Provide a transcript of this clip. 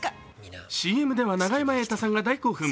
ＣＭでは永山瑛太さんが大興奮。